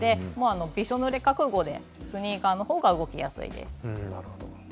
びしょぬれ覚悟でスニーカーのほうが動きやすいです。